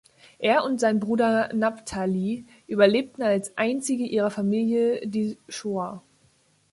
Er und sein Bruder Naphtali überlebten als einzige ihrer Familie die Shoa.